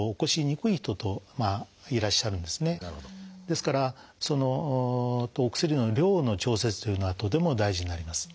ですからお薬の量の調節というのはとても大事になります。